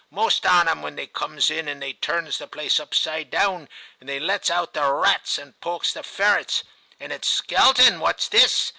* Most on 'em, they comes in and they turns the place upside down, and they lets out the rats, and pokes the ferrets ; and it's " Skelton, what's this.?"